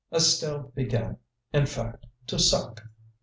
Estelle began, in fact, to suck.